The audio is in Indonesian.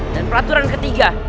dan peraturan ketiga